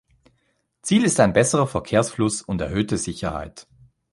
Ziel ist ein besserer Verkehrsfluss und erhöhte Sicherheit.